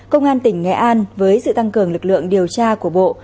công an tỉnh nghệ an với sự tăng cường lực lượng điều tra của bộ